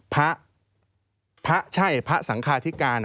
ภาคใช่ภาคสังคราธิการ